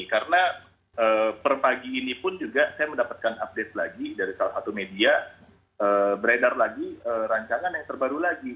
karena perpagi ini pun juga saya mendapatkan update lagi dari salah satu media beredar lagi rancangan yang terbaru lagi